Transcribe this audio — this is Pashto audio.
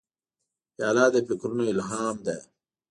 پیاله د فکرونو الهام ده.